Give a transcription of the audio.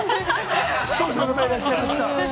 視聴者の方がいらっしゃいました。